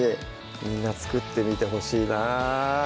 みんな作ってみてほしいな